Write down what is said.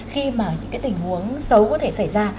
khi mà những cái tình huống xấu có thể xảy ra